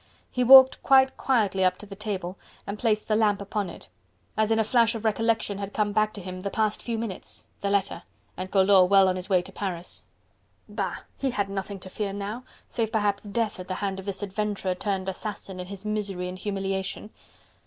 He walked quite quietly up to the table and placed the lamp upon it. As in a flash recollection had come back to him.. the past few minutes!... the letter! and Collot well on his way to Paris! Bah! he had nothing to fear now, save perhaps death at the hand of this adventurer turned assassin in his misery and humiliation!